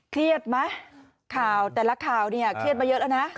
เครียดไหมแต่ละข่าวเครียดมาเยอะแล้วนะ